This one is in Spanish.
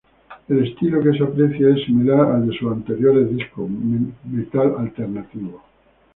El estilo que se aprecia es similar al de sus anteriores discos, metal alternativo.